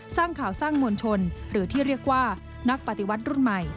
สร้างข่าวสร้างมวลชนหรือที่เรียกว่านักปฏิวัติรุ่นใหม่